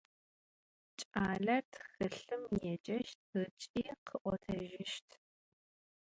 Ç'aler txılhım yêceşt ıç'i khı'otejışt.